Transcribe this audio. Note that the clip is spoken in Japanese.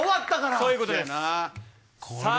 そういうことです。さあ。